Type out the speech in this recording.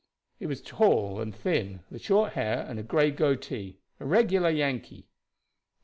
"He was tall and thin, with short hair and a gray goatee a regular Yankee."